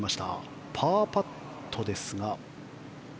パーパットでしたが。